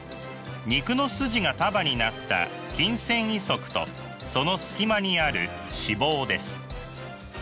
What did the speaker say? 肉の筋が束になった筋繊維束とその隙間にある脂肪です。